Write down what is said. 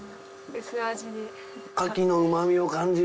薄味に。